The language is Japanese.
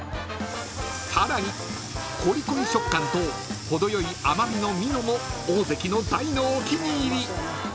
［さらにこりこり食感と程よい甘味のミノも大関の大のお気に入り］